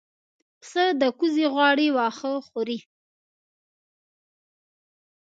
پسه د کوزې غاړې واښه خوري.